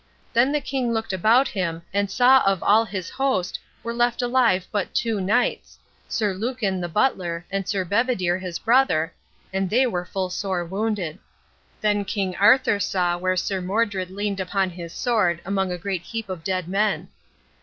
Then the king looked about him, and saw of all his host were left alive but two knights, Sir Lucan, the butler, and Sir Bedivere, his brother, and they were full sore wounded. Then King Arthur saw where Sir Modred leaned upon his sword among a great heap of dead men.